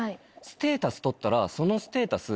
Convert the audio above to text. ステータス取ったらそのステータス。